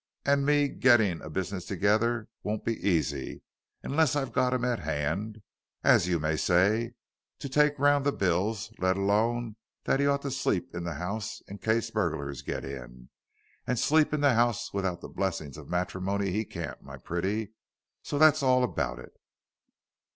An' me getting a business together won't be easy unless I've got him at 'and, as you may say, to take round the bills, let alone that he ought to sleep in the 'ouse in case burgulars gits in. And sleep in the 'ouse without the blessin' of matrimony he can't, my pretty, so that's all about it."